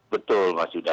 betul mas yuda